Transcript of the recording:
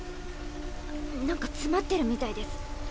なんか詰まってるみたいです。